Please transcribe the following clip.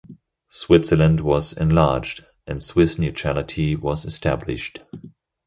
Switzerland was enlarged, and Swiss neutrality was established.